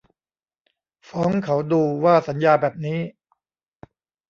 ฟ้องเขาดู ว่าสัญญาแบบนี้